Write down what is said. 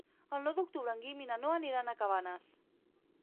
El nou d'octubre en Guim i na Noa aniran a Cabanes.